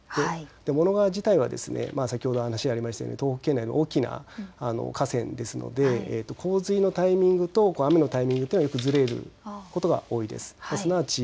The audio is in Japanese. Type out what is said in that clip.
雄物川自体は先ほど話にありましたように東北、大きな河川ですので洪水のタイミングと雨のタイミングがよくずれることが多いです。